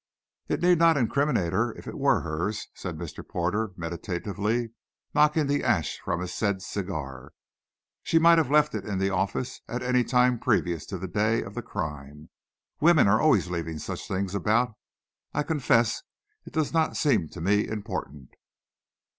"It need not incriminate her, if it were hers," said Mr. Porter, meditatively knocking the ash from said his cigar. "She might have left it in the office at any time previous to the day of the crime. Women are always leaving such things about. I confess it does not seem to me important."